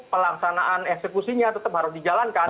pelaksanaan eksekusinya tetap harus dijalankan